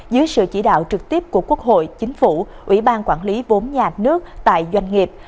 dưới sự chỉ đạo trực tiếp của quốc hội chính phủ ủy ban quản lý vốn nhà nước tại doanh nghiệp